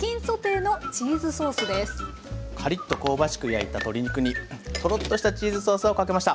カリッと香ばしく焼いた鶏肉にトロッとしたチーズソースをかけました。